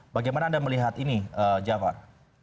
bagaimana anda melihat ini jafar